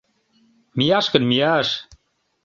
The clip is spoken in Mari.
— Мияш гын, мияш...